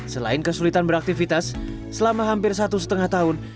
selain kesulitan beraktivitas selama hampir satu setengah tahun